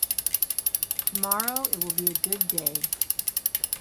Tomorrow, it will be a good day.